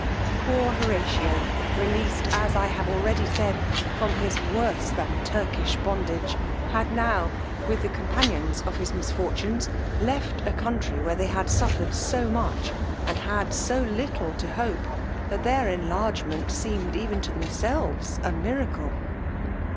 Poor Horatio, released, as I have already said, from his worse than Turkish bondage, had now, with the companions of his misfortunes, left a country where they had suffered so much and had so little to hope, that their enlargement seemed even to themselves a miracle.